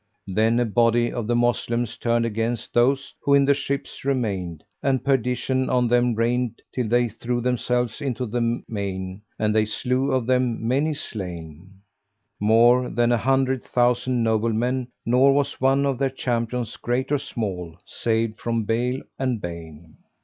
Then a body of the Moslems turned against those who in the ships remained, and perdition on them rained, till they threw themselves into the main, and they slew of them many slain, more than a hundred thousand noblemen, nor was one of their champions, great or small, saved from bale and bane.